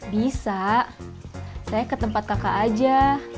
bisa saya ke tempat kakak aja